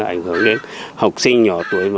ảnh hưởng đến học sinh nhỏ tuổi